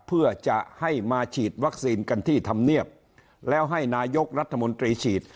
เพื่อจะให้มาฉีดวัคซีนกันที่ธรรมเนียบแล้วให้นายกรัฐมนตรีฉีด